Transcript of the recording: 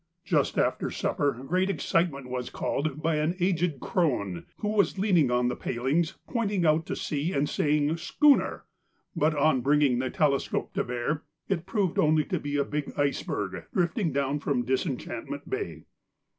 Just after supper great excitement was caused by an aged crone, who was leaning on the palings, pointing out to sea and saying 'schooner,' but, on bringing the telescope to bear, it proved to be only a big iceberg drifting down from Disenchantment Bay.